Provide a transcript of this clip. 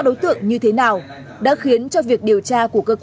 nói chuyện cho vui